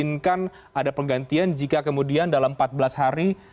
mengizinkan ada pergantian jika kemudian dalam empat belas hari